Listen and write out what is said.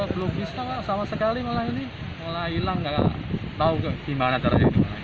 belum bisa sama sekali malah ini malah hilang nggak tahu kemana mana